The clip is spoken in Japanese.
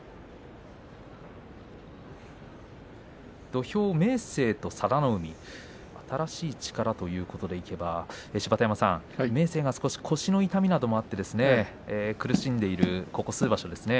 土俵は明生と佐田の海新しい力ということでいえば芝田山さん明生が少し腰の痛みなどがあって苦しんでいるここ数場所ですね。